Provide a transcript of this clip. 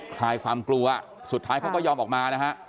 คลายความกลัวสุดท้ายเขาก็ยอมออกมานะฮะ